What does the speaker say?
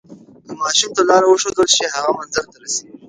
که ماشوم ته لاره وښودل شي، هغه منزل ته رسیږي.